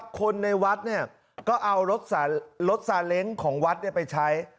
คนในวัดก็เอารถซาเล้งของวัดไปใช้